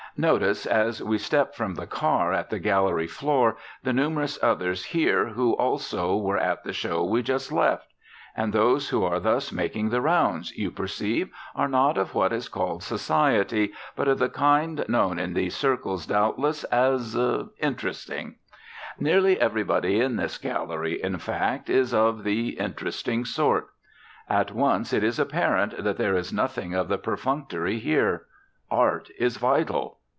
Notice as we step from the car at the gallery floor the numerous others here who also were at the show we just left. And those who are thus making the rounds, you perceive, are not of what is called society, but of the kind known in these circles, doubtless, as interesting. Nearly everybody in this gallery, in fact, is of the interesting sort. At once it is apparent that there is nothing of the perfunctory here. Art is vital.